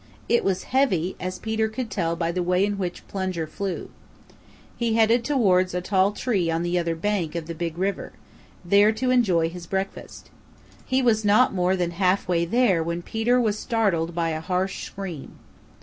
It was heavy, as Peter could tell by the way in which Plunger flew. He headed towards a tall tree on the other bank of the Big River, there to enjoy his breakfast. He was not more than halfway there when Peter was startled by a harsh scream.